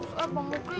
eh bang mokri